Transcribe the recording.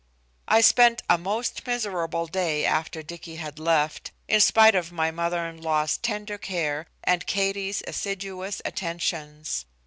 I spent a most miserable day after Dicky had left, in spite of my mother in law's tender care and Katie's assiduous attentions.